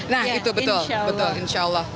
nah itu betul betul insya allah